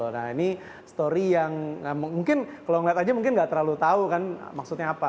nah ini story yang mungkin kalau ngeliat aja mungkin nggak terlalu tahu kan maksudnya apa